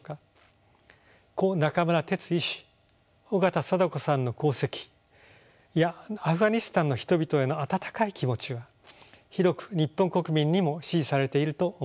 故中村哲医師緒方貞子さんの功績やアフガニスタンの人々への温かい気持ちは広く日本国民にも支持されていると思います。